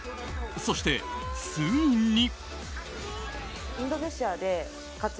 そして、ついに。